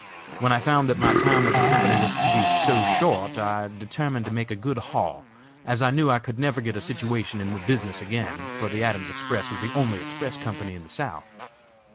When I found that my time with the company was to be so short I determined to make a good haul, as I knew I could never get a situation in the business again, for the Adams Express was the only express company in the South.